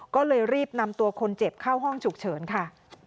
ก็เลยรีบนำตัวคนเจ็บเข้าห้องฉุกเฉินค่ะ